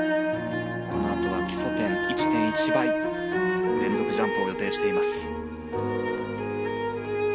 このあとは基礎点１．１倍連続ジャンプを予定しています。